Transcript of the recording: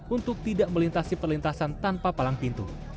untuk tidak melintasi perlintasan tanpa palang pintu